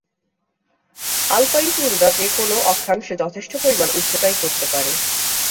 Alpine tundra যে কোনও অক্ষাংশে যথেষ্ট পরিমাণ উচ্চতায় ঘটতে পারে।